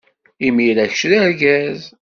Imir-a, kečč d argaz.